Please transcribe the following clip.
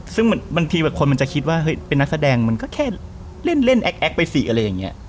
ซึ่งบางทีแบบคนมันจะคิดว่าเฮ้ยเป็นนักแสดงมันก็แค่เล่นแอ๊กไปสิอะไรอย่างนี้